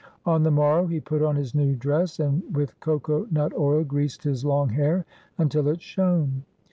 On the morrow he put on his new dress and with coco nut oil greased his long hair until it shone.